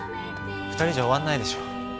２人じゃ終わんないでしょ。